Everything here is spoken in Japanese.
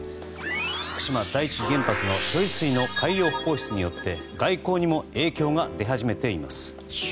福島第一原発の処理水の海洋放出により外交にも影響が出始めています。